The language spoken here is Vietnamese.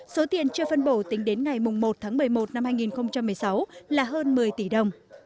số tiền chưa phân bổ tính đến ngày một tháng một mươi một năm hai nghìn một mươi sáu là hơn một mươi tỷ đồng